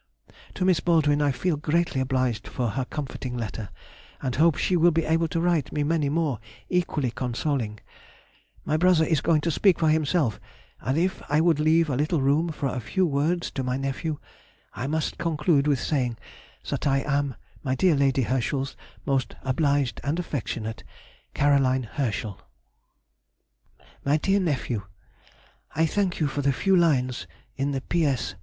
To Miss Baldwin I feel greatly obliged for her comforting letter, and hope she will be able to write me many more equally consoling; my brother is going to speak for himself, and if I would leave a little room for a few words to my nephew, I must conclude with saying that I am My dear Lady Herschel's Most obliged and affectionate, CAR. HERSCHEL. [Sidenote: 1822. Settled in Hanover.] MY DEAR NEPHEW,—I thank you for the few lines in the P.S.